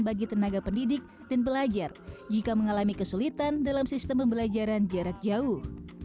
bagi tenaga pendidik dan belajar jika mengalami kesulitan dalam sistem pembelajaran jarak jauh